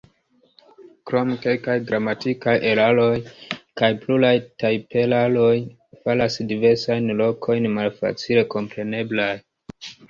Krome, kelkaj gramatikaj eraroj kaj pluraj tajperaroj faras diversajn lokojn malfacile kompreneblaj.